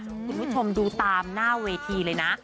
คุณผู้ชมดูตามหน้าเวทีเลยนะ